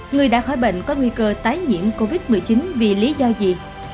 người đã khỏi bệnh có nguy cơ tái nhiễm covid một mươi chín vì lý do gì